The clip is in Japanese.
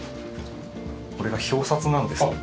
これが表札なんですけど。